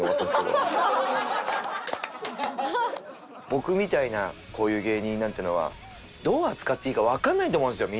僕みたいなこういう芸人なんていうのはどう扱っていいかわからないと思うんですよ